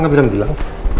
bahan bartil gak pindah